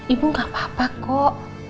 ibu gak apa apa kok